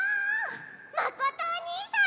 まことおにいさん！